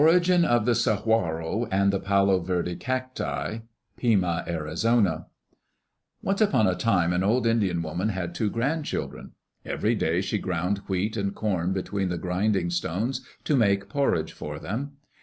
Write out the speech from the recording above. Origin of the Saguaro and Palo Verde Cacti Pima (Arizona) Once upon a time an old Indian woman had two grandchildren. Every day she ground wheat and corn between the grinding stones to make porridge for them.